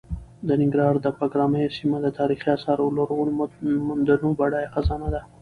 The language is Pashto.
د ننګرهار د بګراميو سیمه د تاریخي اثارو او لرغونو موندنو بډایه خزانه ده.